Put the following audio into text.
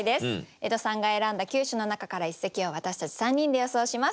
江戸さんが選んだ９首の中から一席を私たち３人で予想します。